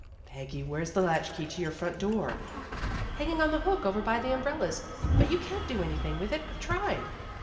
"Peggy, where's the latch key to your front door?" "Hanging on a hook over by the umbrellas. But you can't do anything with it. I Ve tried.